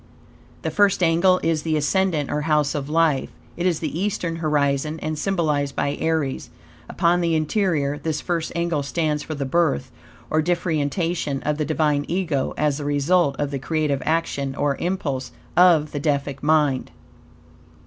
The first angle is the ascendant, or House of Life. It is the eastern horizon, and symbolized by Aries. Upon the interior, this first angle stands for the birth, or differentiation, of the Divine Ego, as the result of the creative action, or impulse, of the Deific mind.